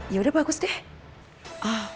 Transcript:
yaudah bagus deh